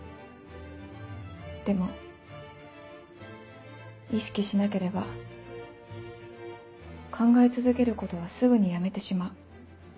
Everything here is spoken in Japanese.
でも意識しなければ考え続けることはすぐにやめてしまう。